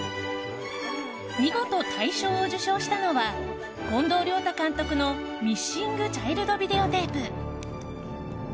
見事大賞を受賞したのは近藤亮太監督の「ミッシング・チャイルド・ビデオテープ」。